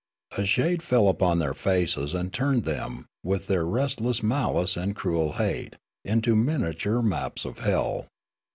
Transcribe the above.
A shade fell upon their faces and turned them, with their restless malice and cruel hate, into miniature maps of hell.